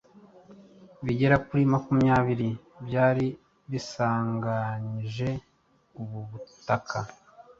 bigera kuri kurimamyabiri byari bisanganyije ubu butaka